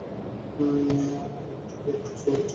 আমি কি একটু এই অস্ত্রটা ধার নিতে পারি?